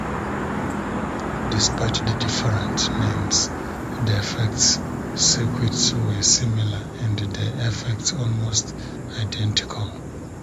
Despite the different names, the effects circuits were similar, and the effects almost identical.